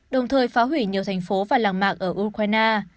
đồng thời phá hủy nhiều thành phố và làng mạng ở ukraine